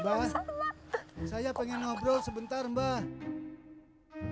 mbak saya pengen ngobrol sebentar mbak